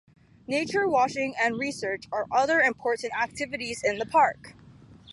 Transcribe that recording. Nature watching and research are other important activities in the park.